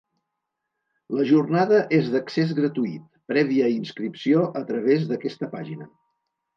La jornada és d’accés gratuït, prèvia inscripció a través d’aquesta pàgina.